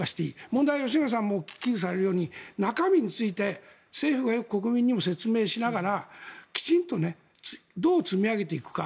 問題は、吉永さんも危惧されるように中身について政府がよく国民にも説明しながらきちんとどう積み上げていくか。